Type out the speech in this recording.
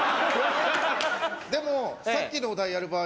でもさっきのお題やる場合。